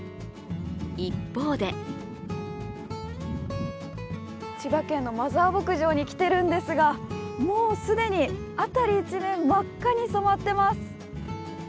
一方で千葉県のマザー牧場に来てるんですが、もう既に辺り一面真っ赤に染まっています。